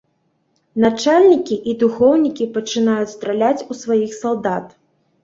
Начальнікі і духоўнікі пачынаюць страляць у сваіх салдат.